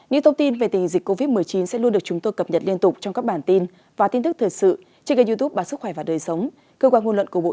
những thông tin về tình dịch covid một mươi chín sẽ luôn được chúng tôi cập nhật liên tục trong các bản tin và tin tức thời sự trên kênh youtube báo sức khỏe và đời sống cơ quan ngôn luận của bộ